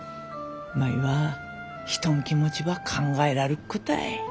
舞は人ん気持ちば考えらるっ子たい。